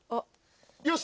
よし。